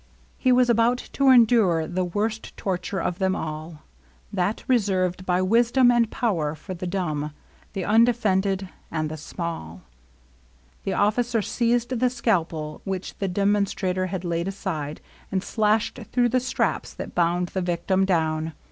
He was about to endure the worst torture of them all, — that reserved by wisdom and power for the dumb, the undefended, and the small. The officer seized the scalpel which the demon strator had laid aside, and flashed through the LOVELINESS. 87 straps that bound the victim down.